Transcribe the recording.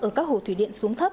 ở các hồ thủy điện xuống thấp